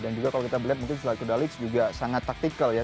dan juga kalau kita melihat mungkin zlatko dalic juga sangat taktikal ya